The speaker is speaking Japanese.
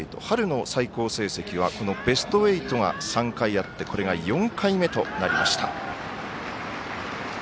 春の最高成績はベスト８が３回あってこれが４回目となりました。